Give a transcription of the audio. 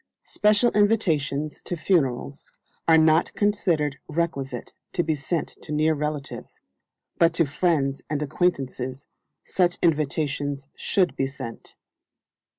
Special invitations to funerals are not considered requisite to be sent to near relatives; but to friends and acquaintances such invitations should be sent.